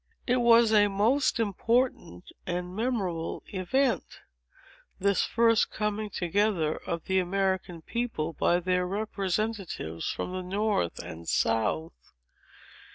"It was a most important and memorable event—this first coming together of the American people, by their representatives from the north and south.